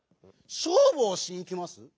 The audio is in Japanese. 「しょうぶをしにきます」？